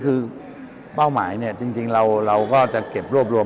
คือเป้าหมายเนี่ยจริงเราก็จะเก็บรวบรวม